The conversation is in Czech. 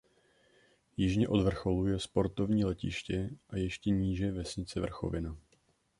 Jižně od vrcholu je sportovní letiště a ještě níže vesnice Vrchovina.